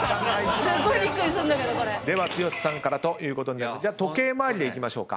では剛さんからということにじゃ時計回りでいきましょうか。